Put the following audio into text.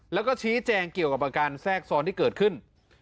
แล้วก็ชี้แจงเกี่ยวกับอาการแทรกซ้อนที่เกิดขึ้น